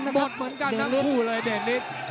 หมดเหมือนกันทั้งคู่เลยเดชนิด